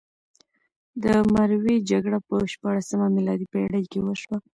د مروې جګړه په شپاړلسمه میلادي پېړۍ کې وشوه.